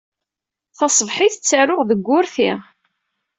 Taṣebḥit, ttaruɣ deg wurti.